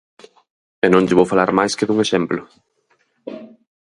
E non lle vou falar máis que dun exemplo.